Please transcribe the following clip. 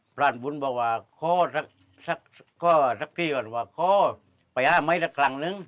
พรานบุญจะบอกว่าขอก่อนขอก่อนึงไม่ได้สัตว์ครั้งหนึ่ง